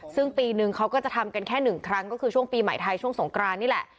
ซึ่งปีนึงเขาก็จะทำกันแค่หนึ่งครั้งก็คือช่วงปีใหม่ไทยช่วงสงกรานนี่แหละ